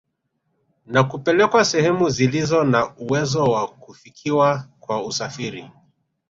Na kupelekwa sehemu zilizo na uwezo wa kufikiwa kwa usafiri